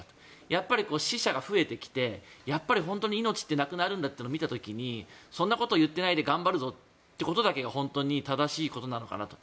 やっぱり死者が増えてきて命って本当になくなるんだというのを見た時にそんなことを言っていないで頑張るぞってことだけが本当に正しいことなのかなと。